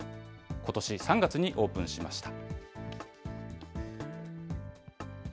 ことし３月にオープンしました。